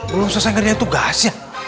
belum selesai ngerjain tugasnya